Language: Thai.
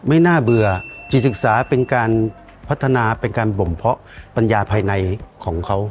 ไม่น่าเบื่อจิตศึกษาเป็นการพัฒนาเป็นการบ่มเพาะปัญญาภายในของเขา